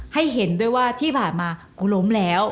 เห็นด้วยว่าที่ผ่านมากูล้มแล้ว